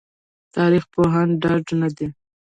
تاريخ پوهان ډاډه نه دي